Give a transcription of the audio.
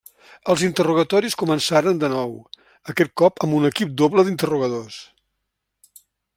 Els interrogatoris començaren de nou, aquest cop amb un equip doble d'interrogadors.